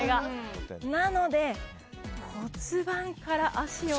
なので、骨盤から脚を。